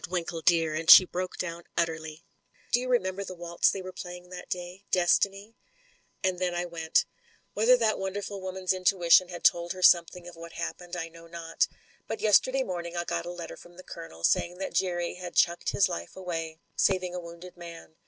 Winkle dear," and she broke down utterly, "do you remember the waltz they were playing that day — ^*Destiny' ?" And then I went Whether that wonderful woman's intuition has told her something of what happened, I know not But yesterday morning I got a letter from the Colonel saying that Jerry had chucked his life away, saving a wounded man.